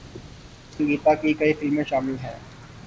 اور سنگیتا کی کئی فلمیں شامل ہیں۔